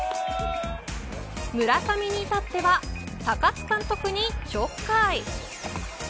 村上に至っては高津監督にちょっかい。